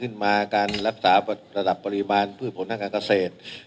การรักษาระดับปริมาณพืชผลทางการเกษตร